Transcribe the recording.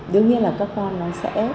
đương nhiên là các con nó sẽ